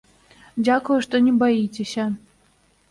Дзякую, што не баіцеся!